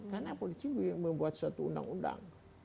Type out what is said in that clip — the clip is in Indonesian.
karena politik itu yang membuat suatu undang undang